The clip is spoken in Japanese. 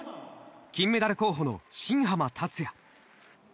金メダル候補の新濱立也。